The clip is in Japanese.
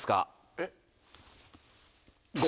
・えっ？